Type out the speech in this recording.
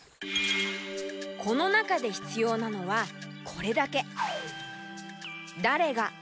この中でひつようなのはこれだけ。